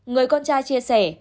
người con trai chia sẻ